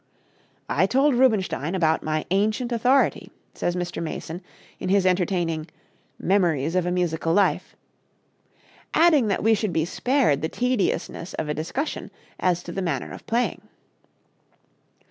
"I told Rubinstein about my ancient authority," says Mr. Mason in his entertaining "Memories of a Musical Life," "adding that we should be spared the tediousness of a discussion as to the manner of playing.